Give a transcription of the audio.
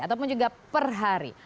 ataupun juga per hari